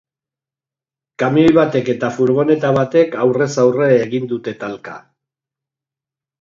Kamioi batek eta furgoneta batek aurrez aurre egin dute talka.